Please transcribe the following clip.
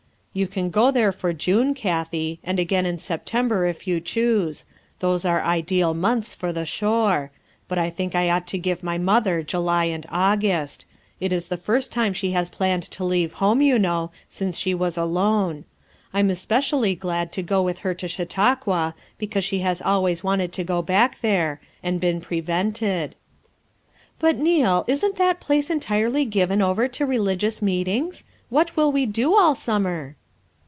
"You can go there for June, Kathie, and again in September if you choose; those are ideal months for the shore ; but I think I ought to give my mother July and August; it is the first time she has planned to leave home, you know, since she was alone. I'm especially glad to go with her to Chautauqua because she has always wanted to go back there, and been pre vented. '' "But, Neal, isn't that place entirely given over to religious meetings? What will we do all summer?"